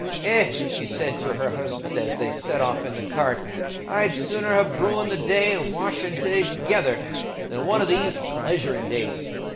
"Eh!" she said to her husband, as they set off in the cart, "I'd sooner ha' brewin' day and washin' day together than one o' these pleasurin' days.